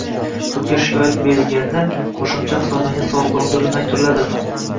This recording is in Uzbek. sudga shikoyat berilganda qo‘shimcha hisoblangan soliqlar undirilmay turiladimi?